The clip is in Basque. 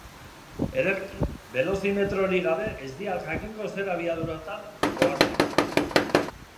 Ederki, belozimetrorik gabe ez diat jakingo zer abiaduratan goazen.